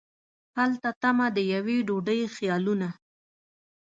هلته تمه د یوې ډوډۍ خیالونه